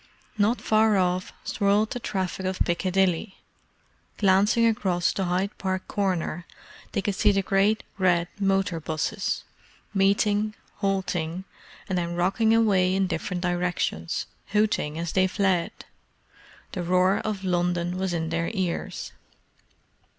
Not far off swirled the traffic of Piccadilly; glancing across to Hyde Park Corner, they could see the great red motor 'buses, meeting, halting, and then rocking away in different directions, hooting as they fled. The roar of London was in their ears.